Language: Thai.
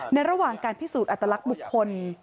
ระหว่างการพิสูจน์อัตลักษณ์บุคคล